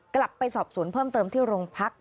กลับไปสอบสวนเพิ่มเติมที่โรงพัก